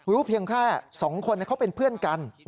เพียงแค่๒คนเขาเป็นเพื่อนกัน